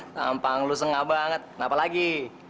tampang lu sengah banget kenapa lagi